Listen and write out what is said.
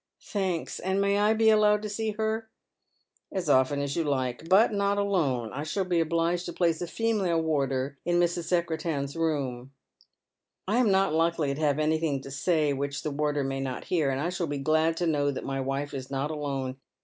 " Thanks. And may I be allowed to see her ?"" As often as you like ; but not alone. I shall be obliged tn place a female warder in Mrs. Secretan's room." "I am not likely to have anything to say which the warder may not hear ; and I shall be glad to know that my wife is not alone.